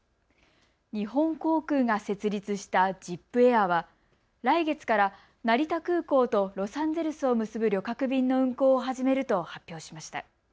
日本航空が設立したジップエアは来月から成田空港とロサンゼルスを結ぶ旅客便の運航を始めると発表しました。